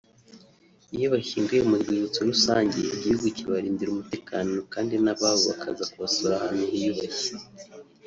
Iyo bashyinguye mu Rwibutso rusange igihugu kibarindira umutekano kandi n’ababo bakaza kubasura ahantu hiyubashye”